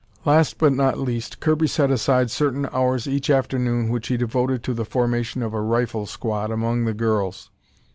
Last but not least, Kirby set aside certain hours each afternoon which he devoted to the formation of a rifle squad amongst the girls.